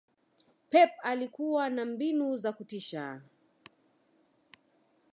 Pep alikua na mbinu za kutisha